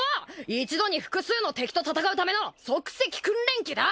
一度に複数の敵と戦うための即席訓練機だ！